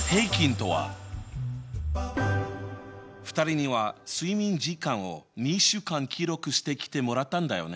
２人には睡眠時間を２週間記録してきてもらったんだよね。